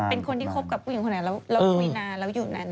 เป็นคนที่คบกับผู้หญิงคนนั้นแล้วคุยนานแล้วอยู่นาน